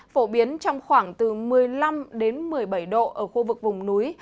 phổ biến trong khoảng từ một mươi năm một mươi bảy độ ở khu vực vùng núi